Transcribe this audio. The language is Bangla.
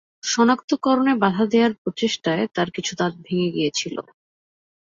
শনাক্তকরণে বাধা দেওয়ার প্রচেষ্টায় তার কিছু দাঁত ভেঙে গিয়েছিল।